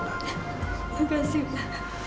terima kasih pak